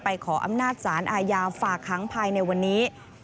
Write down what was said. ไปขออำนาจศาลอายาฝากครั้งภายในวันนี้